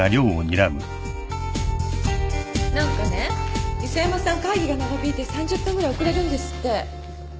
何かね磯山さん会議が３０分ぐらい遅れるんですって。